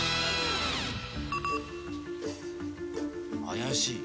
怪しい。